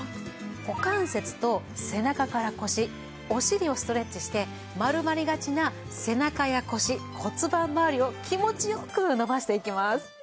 股関節と背中から腰お尻をストレッチして丸まりがちな背中や腰骨盤まわりを気持ち良く伸ばしていきます。